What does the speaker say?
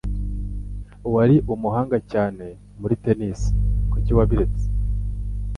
Wari umuhanga cyane muri tennis. Kuki wabiretse?